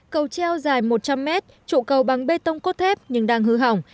cầu treo dài một trăm linh mét trụ cầu bằng bê tông cốt thép nhưng đang hư hỏng